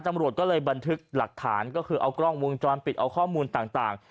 ตำรวจก็เลยบันทึกหลักฐานก็คือเอากล้องวงจรปิดเอาข้อมูลต่าง